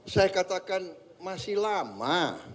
saya katakan masih lama